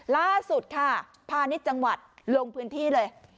ล่าสุดค่ะพาณิชย์จังหวัดลงพื้นที่เลย